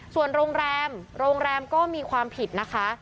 ส่วนโรงแรมโรงแรมก็มีความผิดนะคะ